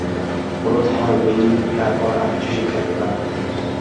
কোন ধর্মই ইহার পর আর কিছু শিক্ষা দিতে পারে না।